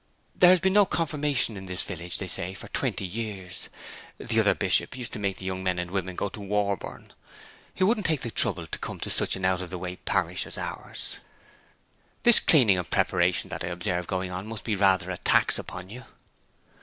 There has been no confirmation in this village, they say, for twenty years. The other bishop used to make the young men and women go to Warborne; he wouldn't take the trouble to come to such an out of the way parish as ours.' 'This cleaning and preparation that I observe going on must be rather a tax upon you?'